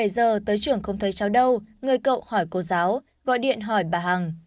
bảy giờ tới trường không thấy cháu đâu người cậu hỏi cô giáo gọi điện hỏi bà hằng